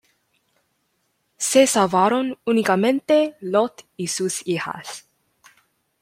Se salvaron únicamente Lot y sus hijas.